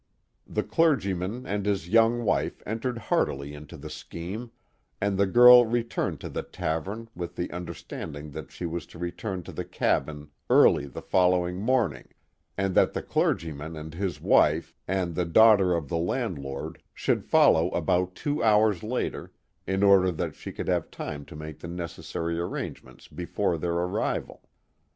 The clergyman and his young wife entered heartily into the scheme, and the girl returned to the tavern with the under standing that she was to return to the cabin early the follow ing morning, and that the clergyman and his wife and the Legend of Mrs. Ross 255 daughter of the landlord should follow about two hours later, in order that she could have time to make the necessary ar rangements before their arrival.